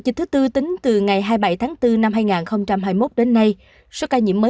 ninh bình hai ba trăm ba mươi một